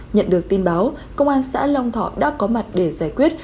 nhận được tin báo công an xã long thọ đã có mặt để giải quyết